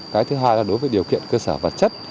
cái thứ hai là đối với điều kiện cơ sở vật chất